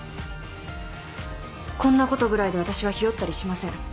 こんなことぐらいで私はひよったりしません。